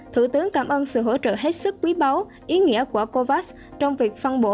thủ tướng cảm ơn sự hỗ trợ hết sức quý báu ý nghĩa của covax trong việc phân bổ